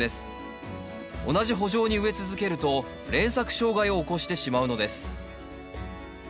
同じ圃場に植え続けると連作障害を起こしてしまうのです。